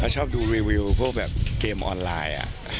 ชอบดูรีวิวพวกแบบเกมออนไลน์